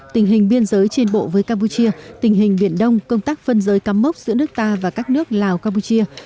tình hình biên giới trên bộ với campuchia tình hình biển đông công tác phân giới cắm mốc giữa nước ta và các nước lào campuchia